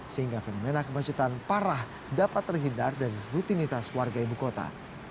sehingga fenomena kemacetan parah dapat terhindar dari rutinitas warga ibu kota